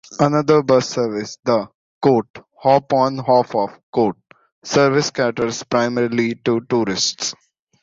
Another bus service, the "Hop-On Hop-Off" service, caters primarily to tourists.